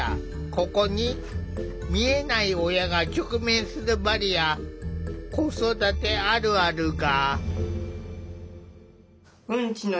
ここに見えない親が直面するバリア子育てあるあるが！